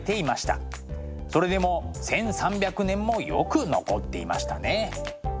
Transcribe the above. それでも１，３００年もよく残っていましたね。